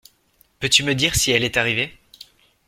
Peux-tu me dire si elle est arrivée?